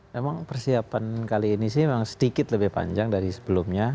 memang persiapan kali ini sih memang sedikit lebih panjang dari sebelumnya